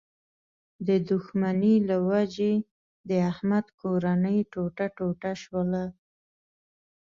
د دوښمنۍ له و جې د احمد کورنۍ ټوټه ټوټه شوله.